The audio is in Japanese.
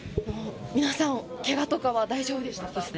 皆さんけがとかは大丈夫ですか。